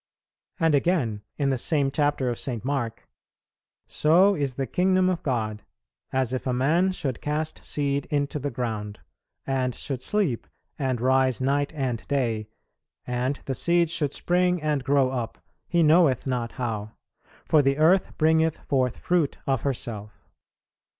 And again, in the same chapter of St. Mark, "So is the kingdom of God, as if a man should cast seed into the ground, and should sleep, and rise night and day, and the seed should spring and grow up, he knoweth not how; for the earth bringeth forth fruit of herself."